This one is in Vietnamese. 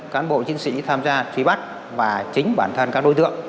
cán bộ chiến sĩ tham gia truy bắt và chính bản thân các đối tượng